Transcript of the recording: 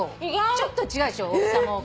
ちょっと違うでしょ大きさも形も。